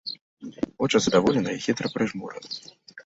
Вочы задаволена і хітра прыжмураны.